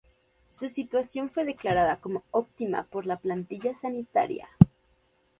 Su situación fue declarada como óptima por la plantilla sanitaria.